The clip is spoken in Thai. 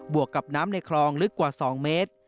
วกกับน้ำในคลองลึกกว่า๒เมตร